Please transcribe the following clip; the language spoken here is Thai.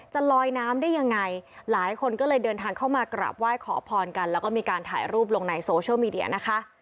จะลอยน้ำได้ยังไงหลายคนก็เลยเดินทางเข้ามากราบไหว้ขอพรกันแล้วก็มีการถ่ายรูปลงในโซเชียลมีเดียนะคะ